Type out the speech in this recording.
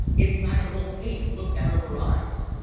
Implacable hate looked out of her eyes.